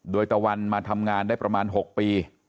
โดยตะวันมาทำงานได้ประมาณ๖ปี